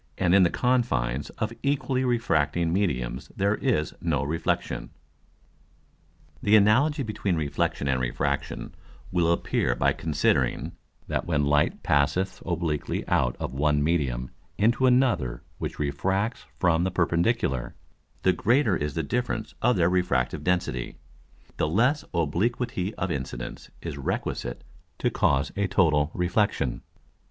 And in the Confines of equally refracting Mediums there is no Reflexion._ The Analogy between Reflexion and Refraction will appear by considering, that when Light passeth obliquely out of one Medium into another which refracts from the perpendicular, the greater is the difference of their refractive Density, the less Obliquity of Incidence is requisite to cause a total Reflexion.